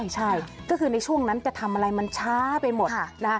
ใช่ก็คือในช่วงนั้นจะทำอะไรมันช้าไปหมด